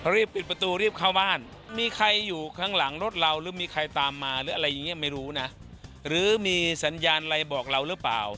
รีบปิดประตูรีบเข้าบ้านมีใครอยู่ข้างหลังรถเราหรือมีใครตามมาหรืออะไรอย่างนี้ไม่รู้นะหรือมีสัญญาณอะไรบอกเราหรือเปล่า